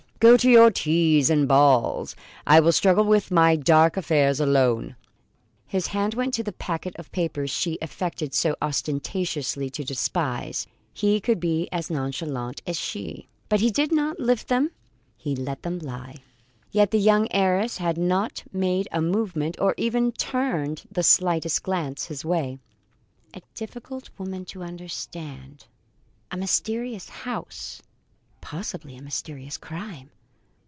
Go to your teas and balls; I will struggle with my dark affairs alone." His hand went to the packet of papers she affected so ostentatiously to despise. He could be as nonchalant as she. But he did not lift them; he let them lie. Yet the young heiress had not made a movement or even turned the slightest glance his way. "A woman difficult to understand! A mysterious house possibly a mysterious crime!"